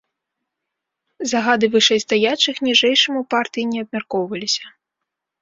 Загады вышэйстаячых ніжэйшым у партыі не абмяркоўваліся.